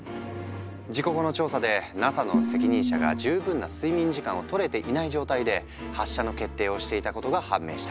事故後の調査でＮＡＳＡの責任者が十分な睡眠時間をとれていない状態で発射の決定をしていたことが判明した。